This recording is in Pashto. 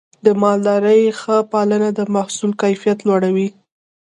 د مالدارۍ ښه پالنه د محصول کیفیت لوړوي.